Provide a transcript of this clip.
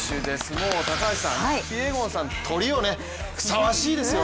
もう高橋さん、キピエゴンさんトリ、ふさわしいですよね。